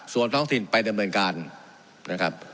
ส่วนท้องถิ่นไปในเมืองการนะครับ